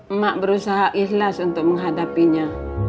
emak berusaha ikhlas untuk menghadapinya